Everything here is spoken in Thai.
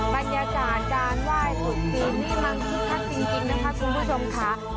ปัญญาจารย์การไหว้ทุกปีนี้มันคิดค่ะจริงจริงนะคะคุณผู้ชมค่ะ